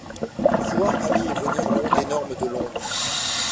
Voit aller et venir l’onde énorme de l’ombre !